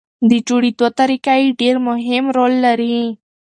د جوړېدو طریقه یې ډېر مهم رول لري.